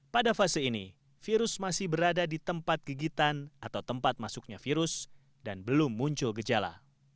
pada fase ini virus masih berada di tempat gigitan atau tempat masuknya virus dan belum muncul gejala